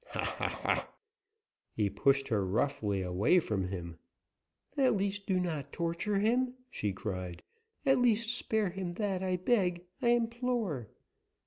"Ha! ha! ha!" He pushed her roughly away from him. "At least do not torture him," she cried. "At least spare him that, I beg, I implore."